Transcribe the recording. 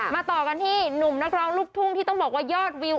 ต่อกันที่หนุ่มนักร้องลูกทุ่งที่ต้องบอกว่ายอดวิว